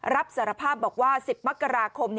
รับสารภาพบอกว่า๑๐มกราคม